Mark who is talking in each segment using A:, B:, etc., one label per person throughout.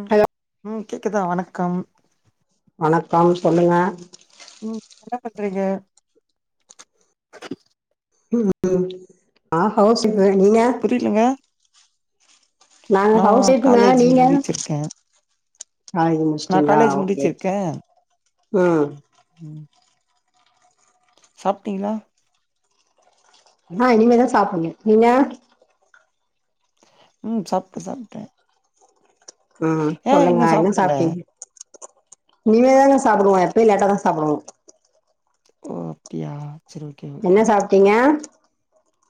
A: ம்
B: ஹலோ
A: ம் கேக்குதா வணக்கம்
B: வணக்கம் சொல்லுங்க
A: ம் என்ன பண்றீங்க
B: ம் ம் நா ஹவுஸ் வைஃபு நீங்க
A: ஏங்க
B: நாங்க ஹவுஸ் ஓய்ஃபுங்க நீங்க ஆ இருங்க
A: நா
B: முடிச்டீங்களா
A: காலேஜ்
B: ஓகே
A: முடிச்சிருக்கே
B: ம்
A: சாப்டீங்களா
B: ஆ இனிமேதா சாப்புனு நீங்க
A: ம் சாப்ட்டே சாப்ட்டே
B: ம்
A: ஏ
B: சொல்லுங்க
A: இன்னு
B: என்ன
A: சாப்பிடல
B: சாப்ட்டீங்க இனிமே தாங்க சாப்டுவோ எப்பயு லேட்டா தா சாப்டுவோ
A: ஓ அப்டியா செரி
B: என்ன சாப்டீங்க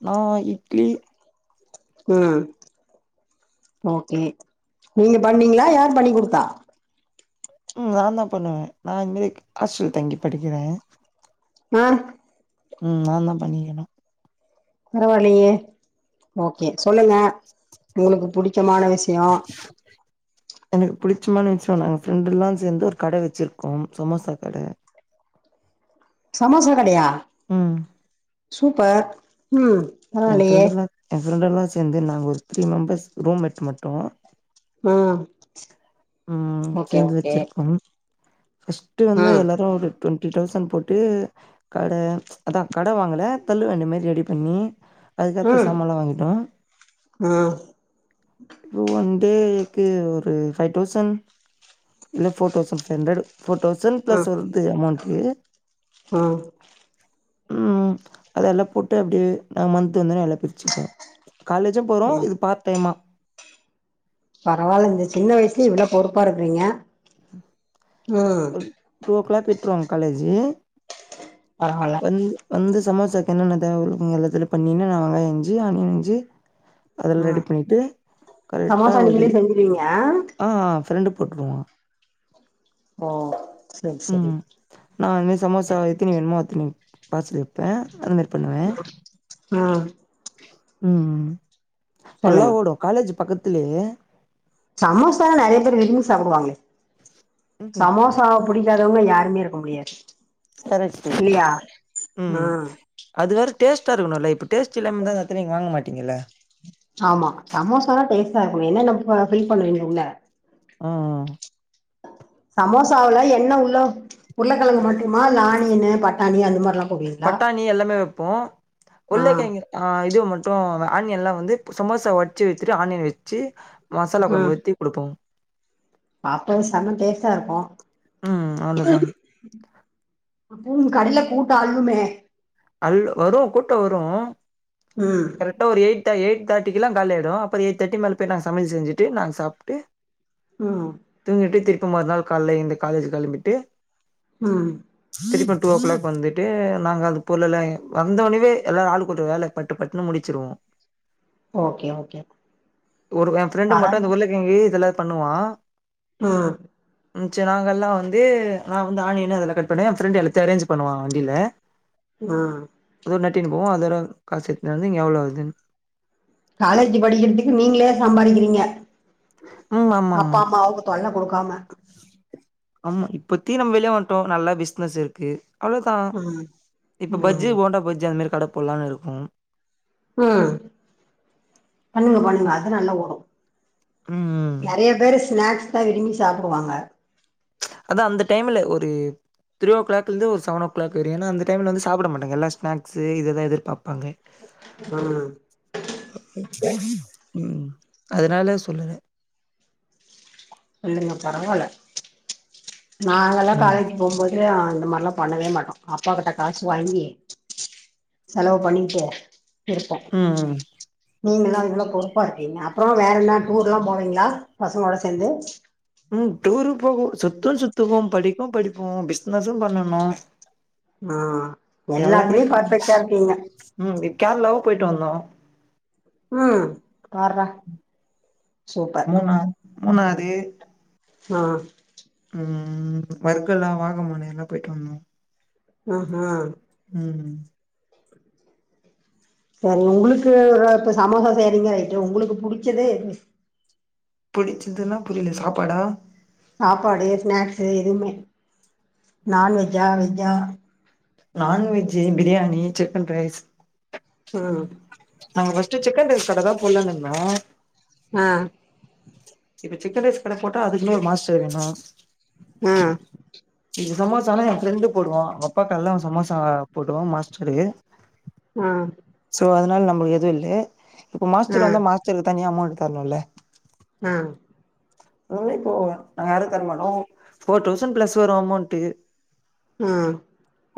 A: நா இட்லி
B: ம் ஓகே நீங்க பண்ணீங்களா யார் பண்ணி குடுத்தா
A: ம் நா தா பண்ணுவே நா இதுமாறி ஹாஸ்டல் தங்கி படிக்கிறே
B: மார்க்
A: ம் நா தா பண்ணிக்கணு
B: பரவாலயே ஓகே சொல்லுங்க உங்களுக்கு புடுச்சமான விஷியோ
A: எனக்கு புடுச்சமான விஷியோ நாங்க ஃப்ரெண்டெல்லா சேந்து ஒரு கட வெச்சிருக்கோ சமோசா கட
B: சமோசா கடயா
A: ம்
B: சூப்பர் ம்
A: என்
B: பரவாயில்லயே
A: ஃப்ரெண்டெல்லா என் ஃப்ரெண்டெல்லா சேந்து நாங்க ஒரு த்ரீ மெம்பர்ஸ் ரூமேட் மட்டு
B: ம்
A: ம்
B: ஓகே
A: சேந்து
B: ஓகே
A: வெச்சிருக்கோ ஃபர்ஸ்ட்டு வந்து
B: ம்
A: எல்லாரு ஒரு டுவெண்ட்டி தௌசண்ட் போட்டு கட அதா கட வாங்கள தள்ளுவண்டி மாறி ரெடி பண்ணி அதுக்கேத்த
B: ம்
A: சாமால்லா வாங்கிட்டோ
B: ஆ
A: ஒன் டேக்கு ஒரு ஃபைவ் தௌசண்ட் இல்ல four thousand five hundred four thousand
B: ஆ
A: பிளஸ் வருது அமௌண்ட்டு
B: ஆ
A: ம் அதெல்லா போட்டு அப்டியே நாங்க மந்த்து வந்தனே எல்லா பிரிச்சுப்போ காலேஜூம் போறோ
B: ம்
A: இது பார்ட் டைமா
B: பரவால்ல இந்த சின்ன வயசுலயே இவ்வள பொறுப்பா இருக்கறீங்க ம்
A: டூ ஓ கிளாக் விட்டுவோங்க காலேஜ்
B: பரவால்ல
A: வந்து வந்து சமோசாக்கு என்னென்ன தேவருக்கும் எல்லாத்துல பண்ணின்னு நா வெங்காயோ அருஞ்சு ஆணியனஞ்சு அதெல்லா ரெடி
B: ம்
A: பண்ணிட்டு கரெக்டா ஒரு
B: இங்கா
A: ஆ ஆ ஃப்ரெண்டு போட்டுவோ
B: ஓ சரி சரி
A: ம் நா அதுமாரி சமோசா எத்தனி வேனுமோ அத்தனி பார்சல் வைப்பே அது மாாரி
B: ஆ
A: ம் நல்லா
B: சொல்லுங்க
A: ஓடும் காலேஜ் பக்கத்துலயே
B: சமோசால்லா நெறைய பேர் விரும்பி சாப்டுவாங்களே
A: ம்
B: சமோசா புடிக்காதவங்க யாருமே இருக்க முடியாது
A: கரெக்ட்டு
B: இல்லையா ஆ
A: ம் அது வேற டேஸ்டா இருக்கணுல்ல இப்ப டேஸ்ட்டு இல்லாம இருந்தா திருப்பி வாங்க மாட்டீங்கல்ல
B: ஆமா சமோசான்னா டேஸ்டா இருக்குமே என்னன்ன ஃபில் பண்றிங்க உள்ள
A: ஆ
B: சமோசாவல என்ன உள்ள உருளக்கெழங்கு மட்டுமா இல்ல ஆனியனு பட்டாணி அந்த மாரில்லா போடுவீங்க
A: பட்டாணி எல்லாமே வைப்போ
B: ஆ
A: உள்ளக்காயங்க ஆ இது மட்டும் ஆனியன் எல்லா வந்து சமோசா வச்சு வத்துட்டு ஆனியன் வச்சு மசாலா கொழம்பு ஊத்தி குடுப்போம்
B: அப்போ செம டேஸ்டா இருக்கும்
A: ம் அவ்ளோதா
B: அப்ப உங்க கடல கூட்டோ அள்ளுமே
A: அல் வரும் கூட்டோ வரும்
B: ம்
A: கரெட்டா ஒரு எயிட் எய்ட் தேட்டிக்கலா காலியாயிடும் அப்புற எயிட் தேட்டி மேல போய் நா சமயல் செஞ்சுட்டு நாங்க சாப்ட்டு [inaudible]
B: ம்
A: தூங்கிட்டு திருப்பி மறு நாள் கால்ல எழுந்து காலேஜ் கெளம்பிட்டு
B: ம்
A: தெரிப்பா டூ ஓ கிளாக் வந்துட்டு நாங்க அது பொருள் எல்லா ஏ வந்த ஒன்னவே எல்லா ஆள் கூட்ட வேல பட் பட்டு பட்டுனு முடிச்சிருவோ
B: ஓகே ஓகே
A: ஒரு ஏ ஃப்ரென்டு மட்டு
B: பரவால்ல
A: இந்த ஊர்லே இவ் ஏ இதெல்லா பண்ணுவா
B: ம்
A: ம் ச நாங்கெல்லா வந்து நா வந்து ஆணியன்னு அதலா கட் பண்ணே ஏ ஃப்ரெண்டு எல்லாத்தையு அரேஞ் பண்ணுவா வண்டியில [inaudible]
B: ஆ
A: அது ஒரு நட்டின்னு போவோ அதோட காசுத்துந்து எவ்ளோ வருதுனு
B: காலேஜ் படிக்கிறதுக்கு நீங்களே சம்பாதிக்கிறீங்க
A: ம் ஆமா
B: அப்பா
A: ஆமா
B: அம்மா அவங்க தொன்ன குடுக்காம
A: ஆமா இப்பத்தி நம்ம வெளிய வந்துட்டோ நல்ல பிசினஸ் இருக்கு அவ்வளோதா
B: ம்
A: இப்ப பஜ்ஜி
B: ம்
A: போண்டா பஜ்ஜி அந்த மாரி கட போடலான்னு இருக்கும்
B: உம் பண்ணுங்க பண்ணுங்க
A: ம்
B: அது நல்லா ஓடு
A: ம்
B: நறைய பேரு ஸ்நக்ஸ்தா விரும்பி சாப்டுவாங்க
A: அதா அந்த டைம்ல ஒரு த்ரிஓ கிளாக்லிந்து ஒரு செவன் ஓ கிளாக் வரையு ஏனா அந்த டைம்லந்து சாப்புடமட்டாங்க எல்லா ஸ்நாக்ஸு இத தா எதிர்பாப்பாங்க
B: [unintelligible]
A: அதுனால சொல்லுத
B: இல்லங்க பரவால்ல நாங்கல்லா
A: ம்
B: காலேஜ் போபோது அந்த மார்லா பண்ணவே மாட்டோ அப்பா கிட்ட காசு வாங்கி செலவு பண்ணிட்டே இருப்ப
A: ம் ம்
B: நீங்கலா இவ்ளோ பொறுப்பா இருக்கீங்க அப்ரோ வேறன்ன டூர்லா போவங்ளா பசங்ளோட சேந்து
A: ம் டூரு போகு சுத்து சுத்துவோ படிப்போ படிப்போ பிஸ்னஸு பண்ணனு
B: அ எல்லாத்லியு பர்ஃபெக்டா இருகீங்க
A: மூவி கேர்ளாவு போய்ட்டு வந்தோ
B: ம் பார்றா சூப்பர்
A: மூணார் மூணாறு
B: ஆ
A: ம் வர்கலா வாகமுனை எல்லா போய்ட்டு வந்தோ
B: நஹா
A: ம்
B: தெர்ல உங்ளுக்கு ர ப்ப சமுக சேவங்க வக்கிம் உங்ளுக்கு புடிச்சேதே எது
A: புடிச்சதுனா புரில சாப்பாடா
B: சாப்பாடு ஸ்நாக்ஸு எதுவுமே நான்வெஜ்ஜா வெஜ்ஜா
A: நான்வெஜூ பிரியாணி
B: உ அ
A: நாங்க ஃபஸ்ட்டு சிக்கன்ரைஸ் கட தா போட்லான் நிந்தோ
B: அ
A: இப்ப சிக்கன்ரைஸ் கட போட்டா அதுகுனு ஒரு மாஸ்டர் வேணு
B: அஆ
A: இது சமோசானா ஏட ஃப்ரெண்டு போடுவா அங் அப்பா கல்ல அவ சமோசா போடுவா மாஸ்டரு
B: ஆ
A: சோ அதனால நம்ளு எது இல்லே இப்ப
B: ஆ
A: மாஸ்டர் வந்த மாஸ்டருக்கு தனியா அமௌண்ட்தர்ணுல்ல
B: அ
A: நூவே போ நாங்க யாரோ தரமாட்டோ ஃபோர் டௌசண் ப்ளஸ் இதோரு அமௌண்ட்டு
B: ம்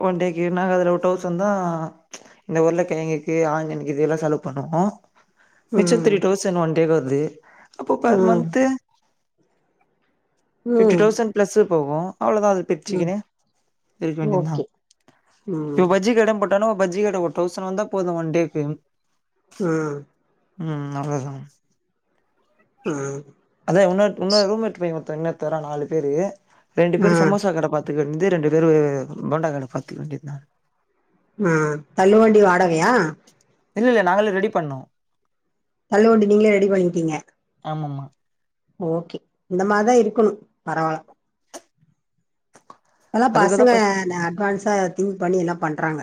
A: ஒன் டேக்கு நாங்க அதுல ஓர் டவுசன்தா இந்த உருளகெழங்குக்கு ஆனியன்கிது இதல செலவு பண்ணோமோ மிச்ச
B: ம்
A: த்ரீடௌசண் ஒன் டேக்கு வருது அப்போ பர்
B: ம்
A: மந்த்து ஃபிஃப்டி
B: ம்
A: டௌசண் ப்ளஸு போகோ அவ்ளதா அது
B: ம்
A: பிச்சிகினு இருக்கவேண்டியதா
B: ஓகே ம்
A: இப்ப பஜ்ஜிகட போட் டெனோ பஜ்ஜி கட ஓர் டௌசன் வந்தா போதோ ஒன் டேக்கு
B: ம்
A: ம் ம் அவ்ளதா
B: ம்
A: அதே உன்னோர் உன்னோர் ரூமேட் பைய ஒர்த்த இன்னோர்த்த வரா நாலு பேரு
B: ஆ
A: ரெண்டுபேரு சமோசா கட பாத்துக்க வேண்டிது ரெண்டுபேரு போண்டா கட பாத்துக்க வேண்டிதா
B: ம் தள்ளுவண்டி வாடகயா
A: இல்லல்ல நாங்களே ரெடி பண்ணோ
B: தள்ளு வண்டி நீங்களே ரெடி பண்ணிட்டீங்க
A: ஆமமா
B: ஓகே இந்த மாதிரிதா இருக்கணோ பரவால இப்பலா
A: அதுக்குதா
B: பசங்க
A: ஃபஸ்
B: நா அட்வான்ஸா இன் பண்ணி எல்லா பண்றாங்க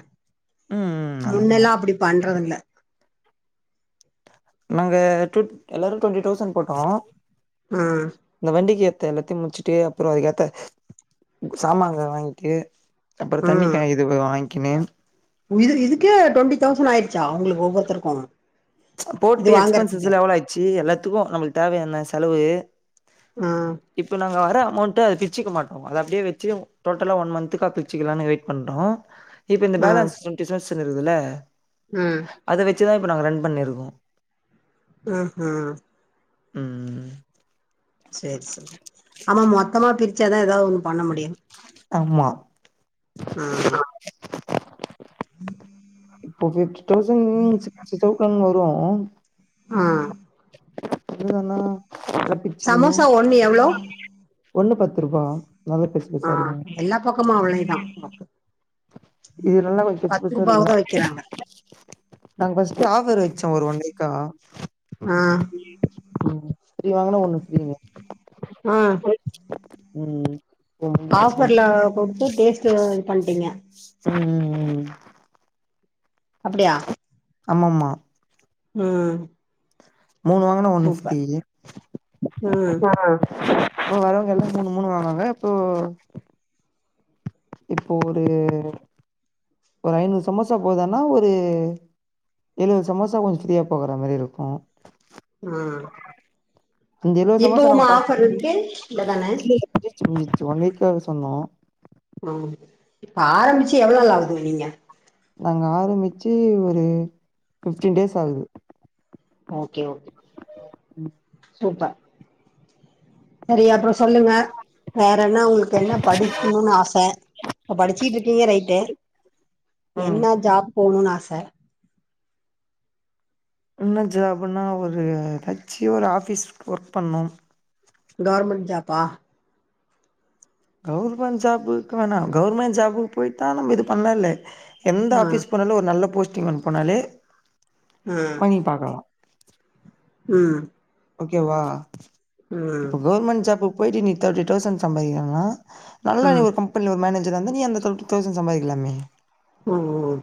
A: ம் ம் ஆமாமா
B: முன்னெல்லா அப்டி பண்றது இல்ல
A: நாங்க டூ எல்லாரு டு்வெண்ட்டி டௌசண்ட் போட்டோ
B: உம்
A: இந்த வண்டிக்கு ஏத்த எல்லாத்தையு முச்சுட்டு அதுக்கப்புறோ அதுக்கேத்த சாமாங்க வாங்கிட்டு அப்புறோ தண்ணி கே இது போய் வாங்க்கின்னு
B: இ இதுக்கே டுவெண்டி தௌசண்ட் ஆயிடுச்சா உங்குளுக்கு ஒவ்வோருத்தருக்கோ
A: அது போட்டு எக்ஸ்பென்சஸ்லா எவளாயிட்ச்சி எல்லாத்துக்கு அப்புறோ நம்முளுக்கு தேவையான செலவு
B: உம்
A: இப்போ நாங்க வர அமௌண்ட்ட பிச்சுக்க மாட்டோ அத அப்டியே வெச்சு டோட்டலா ஒன் மந்த்துக்கா பிர்ச்சுக்கலானு வெயிட் பண்றோ இப்ப இந்த பேலன்ஸ் டுவெண்ட்டி சௌஸவன் இருக்குதுல்ல
B: உம்
A: அத வெச்சுதா இப்போ நாங்க ரன் பண்ணிருக்கோ
B: ம் ஹும்
A: ம்
B: செரி செரி ஆமா மொத்தமா பிரிச்சாதா எதாவது ஒண்ணு பண்ண முடியு
A: ஆமா
B: ம் உஹம்
A: இப்போ ஃபிஃப்டி டௌசண்ட் சிக்ஸ்டி டௌசண்ட் வரோ
B: அ
A: அதுதானா நல்லா
B: சமோசா ஒண்ணு எவ்வளோ
A: ஒன்னு பத்துறுபா
B: ஆ எல்லா பக்கமு அவளே தா [unintelligible]
A: இதுல எல்லா கொஞ்சோ பெருசு பெருசா
B: விக்கிறாங்க
A: [unintelligible] நாங்க ஃபஸ்ட்டு ஆஃபர் வச்சோ ஒரு ஒன் வீக்கா
B: ஆ
A: ம் [unintelligible] வாங்கினா ஒண்ணு ஃபிரீன்னு
B: ஆ
A: [unintelligible] ம் ம்
B: ஆஃபர்ல கொடுத்து டேஸ்ட்டு இது பண்ட்டீங்க
A: ம் ம் ம் ம்
B: அப்படியா
A: ஆம ஆமா
B: ம்
A: மூணு வாங்குனா ஒண்ணு ஃபிரீ
B: சூப்பர் ம்
A: ப்ப வரவங்க எல்லா மூணு மூணு வாங்குவாங்க இப்போ இப்போ ஒரு ஒரு ஐநூறு சமோசா போகுதன்னா ஒரு எழுவது சமோசா கொஞ்சொ ஃப்ரீயா போகற மாரி இருக்கூ
B: ஆ
A: அந்த எழுவது சமோசா
B: இப்பவுமா ஆஃபர் இருக்கு இல்லதான
A: முஞ்சிச்சு முஞ்சிச்சு ஒன் வீக்காக சொன்னோ
B: ம் இப்ப ஆரம்பிச்சு எவ்வளோ நாள் ஆது நீங்க
A: நாங்க ஆரம்பிச்சி ஒரு ஃபிஃப்டீன் டேஸ் ஆகுது
B: ஓகே ஓகே சூப்பர் சரி அப்புறோ சொல்லுங்க வேற என்ன உங்களுக்கு என்ன படிக்கிணுனு ஆச இப்ப படிச்சிகிட்ருக்கீங்க ரைட்டு
A: ம்
B: என்ன ஜாப் போணூனு ஆச
A: என்ன ஜாப்புன்னா ஒரு ஏதாச்சு ஒரு ஆஃபீஸ் ஒர்க் பண்ணூ
B: கவர்மெண்ட் ஜாபா
A: கவுர்மெண்ட் ஜாபுக்கு வேணா கவுர்மெண்ட் ஜாபுக்கு போயி தா நம்ம இது பண்ண இல எந்த
B: ஆ
A: ஆஃபீஸ் போனாலே ஒரு நல்ல போஸ்டிங் வந்து போனாலே
B: ஆ
A: மணி பாக்கலா
B: ம்
A: ஓகேவா
B: ம்
A: இப்ப கவுர்மெண்ட் ஜாப்புக்கு போயிட்டு நீ தேர்ட்டி தௌசண்ட் சம்பாதிக்கிறிங்கனா நல்லா நீ ஒரு கம்பெனில ஒரு மேனேஜரா இருந்தா நீ அந்த தேட்டி தௌசண்ட் சம்பாதிக்கலாமே
B: ம் ம்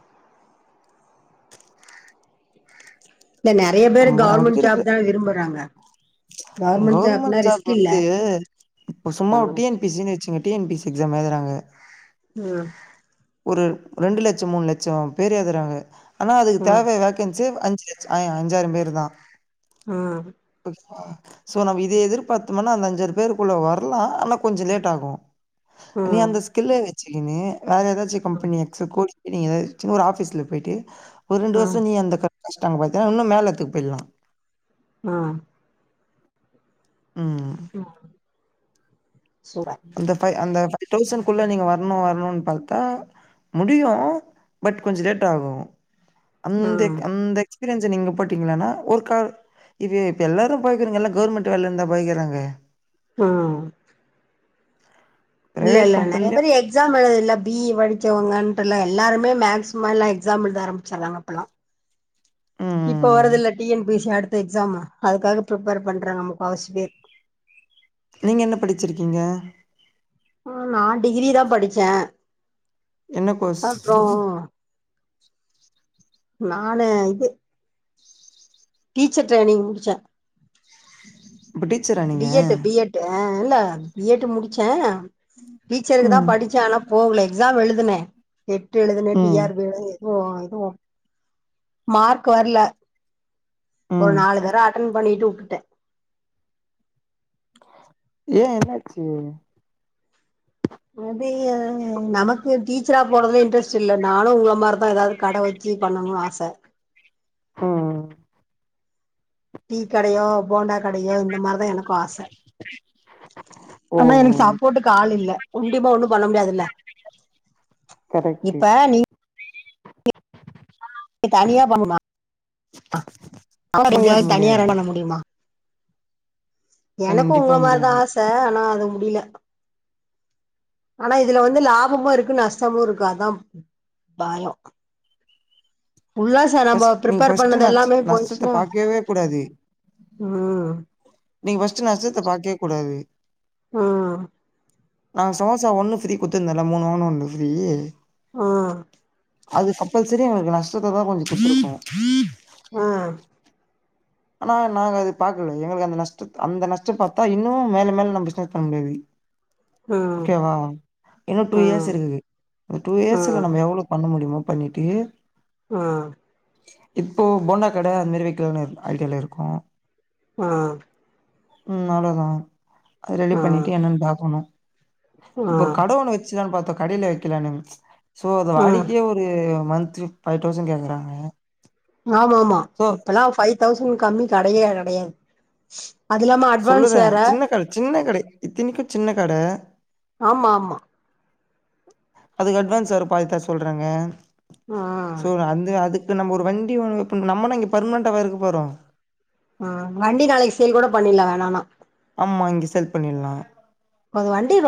B: இல்ல நெறைய பேர்
A: நம்ம
B: கவர்மெண்ட் ஜாப் தா விரும்புறாங்க கவர்மெண்ட் ஜாப்னா
A: கவுர்மெண்ட் ஜாப்
B: ரிஸ்க் இல்ல
A: வந்து இப்ப சும்மா
B: ம்
A: டி என் பி சி வச்சிங்க T N P C exam எழுதுறாங்க
B: அ
A: ஒரு ரெண்டு லட்சம் மூணு லட்சம் பேர் எழுதுறாங்க ஆனா அதுக்கு
B: ம்
A: தேவைய வேக்கன்சி அஞ்சு லட்ச அஞ்சாயிரம் பேரு தா
B: அ
A: சோ நம்ம இதே எதிர்பாத்தமனா அந்த அஞ்சாயிறு பேருக்குள்ள வரலா ஆனா கொஞ்சொ லேட் ஆகும் நீ
B: ம்
A: அந்த ஸ்கில்ல வச்சக்கின்னு வேற ஏதாச்சு கம்பெனிய கோடி நீங்க எதாது சின்ன ஒரு ஆபீஸ்ல போய்ட்டு ஒரு ரெண்டு
B: ம் ம்
A: வருஷம் நீ அந்த க கஷ்டங்க பாத்தீங்கன்னா இன்னு மேல எத்துக்கு போயிலா
B: ஆ
A: ம்
B: ம் சூப்பர்
A: அந்த ஃபைவ் அந்த ஃபைவ் டௌசண்ட்குள்ள நீங்க வரணு வரணுன்னு பாத்தா முடியு பட் கொஞ்ச லேட் ஆகூ
B: ம்
A: அந்தக் அந்தக் எக்ஸ்பீரியன்ஸ நீங்க போட்டீங்கன்னா ஒருக் கா இது இப்போ எல்லோரு போய்க்குறவங்கல்லா கவர்மெண்ட் வேல இருந்தா போய்கிறாங்க
B: ம் இல்ல
A: பிரைவேட்
B: இல்ல நெறைய
A: கம்பெனிலயும்
B: பேர் ஏ எக்ஸாம் எழுத இல்ல பி இ படிச்சவங்கன்ட்ல்ல எல்லாருமே மேக்ஸமா எக்ஸாம் எழுத ஆரம்பிச்சிடாங்க அப்பெல்லா இப்ப
A: ம்.
B: வரதல்ல டி என் பி சி அடுத்த எக்ஸாம் அதுக்காக பிரிப்பேர் பண்றாங்க முக்கவாசி பேர்
A: நீங்க என்ன படிச்சிருக்கீங்க
B: ம் நா டிகிரி தா படிச்சே
A: என்ன கோர்ஸ்
B: அப்றோ நானு இது டீச்சர் ட்ரைனிங் முடிச்சே
A: [inaudible]
B: பி
A: நீங்க?
B: எட் பி எட் அ இல்ல பி எட் முடிச்சே டீச்சருக்கு தா
A: ம்.
B: படிச்சே ஆனா போகல எக்ஸாம் எழுதுனே எட்டு் எழுதுனே டி
A: ம்.
B: ஆர் பி எழுது ஓ இதுவு மார்க் வரல ஒரு
A: ம்.
B: நாலு தர ரன் பண்ணிட்டு விட்டுடே
A: ஏ என்னச்சு
B: [unintelligible] நமக்கு டீச்சரா போறதுல இன்ட்ரெஸ்ட் இல்ல நானு உங்கள மாரிதா ஏதாவது கட வச் வச்சு பண்ணணு ஆச
A: ம்
B: டீ கடையோ போண்டா கடையோ இந்த மாரிதா எனக்கு ஆச
A: ஓ
B: ஆனா எனக்கு சப்போட்டுக்கு ஆள் இல்ல ஒண்டிமா ஒண்ணு பண்ண முடியாது இல்ல
A: கரெக்ட்டு
B: நீங்க
A: அ முடியாது முடியாது
B: [unintelligible] எனக்கு
A: கண்டிப்பா
B: உங்கள மாரிதா
A: முடியாது
B: ஆச ஆனா அது முடியல ஆனா இதுல வந்து லாபமு இருக்கு நஷ்டமு இருக்கு அதா பயம் உல்லாச நம்ப
A: ஃபஸ்ட் நீங்க
B: ப்ரிப்பெர்
A: ஃபஸ்ட்டு
B: பண்ணது
A: நட்ச
B: எல்லாமே
A: நஷ்டத்த
B: போயிச்னா
A: பாக்கவே கூடாது
B: ம்
A: நீங்க ஃபஸ்ட் நஷ்டத்த பாக்கவே கூடாது
B: ம்
A: நா சமோசா ஒன்னு ஃப்ரீ குடுத்துர்ந்தல்ல மூணு வாங்னா ஒன்னு ஃப்ரீ
B: ம்
A: அது கப்பல்சரி உங்ளுக்கு நஷ்டத்த தா கொஞ்சொ குட்த்துருக்கு
B: அ
A: ஆனா நாங்க அது பாக்குல எங்ளுக்கு அந்த நஷ்டத்த அந்த நஷ்டம் பாத்தா இன்னமு மேல மேல நம் பிசினஸ் பண்ண முடியாது
B: ம்
A: ஒகேவா இன்னு டூ
B: ம்
A: இயர்ஸ்
B: ம்
A: இருக்குது டூ இயர்ஸ்ல
B: ம்
A: நம்ம எவ்ளோ பண்ண முடியுமோ பண்ணிட்டு
B: அ
A: இப்போ போண்டா கட அந்த மாரி வைக்கலான் ஐடியால இருக்கோ
B: அ
A: ம் அவ்ளோதா அது ரெடி
B: ம்
A: பண்ணிட்டு என்னன் பாக்கணு இப்ப ஒரு
B: ம்
A: கட ஒன்னு வச்சுதா பாத்தோ கடயில வைக்கலான்னு சோ அது
B: ம்
A: வாடிக்கை ஒ இது மந்த்லி ஃபை தௌசண் கேக்றாங்க
B: ஆமா ஆமா இப்பல்லா ஃபை தௌசண் கம்மி கடையே கெடையாது அது இல்லாம அட்வான்ஸ்
A: சொல்லுறே
B: வேற
A: சின்ன கட சின்ன கட இத்தினிக்கும் சின்ன கட
B: ஆமா ஆமா
A: அதுக்கு அட்வான்ஸ் வேர பாதி தர சொல்றாங்க
B: ம்
A: சோ அந்து அதுக்கு நம்ம ஒரு வண்டி வாங் ப நம்மனா இங்க பர்மன்ட்டாவா இருக்க போறோம்
B: ஆ வண்டி நாளைக்கு சேல் கூட பண்ல்லா வேணானா
A: ஆமா இங்க சேல் பண்ணில்லா
B: ஒரு வண்டில